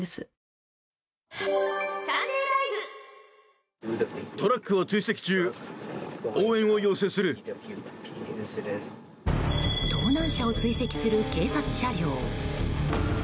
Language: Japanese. お申込みは盗難車を追跡する警察車両。